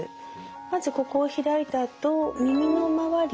まずここを開いたあと耳の周りですね